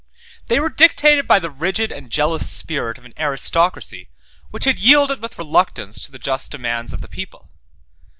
12 They were dictated by the rigid and jealous spirit of an aristocracy, which had yielded with reluctance to the just demands of the people.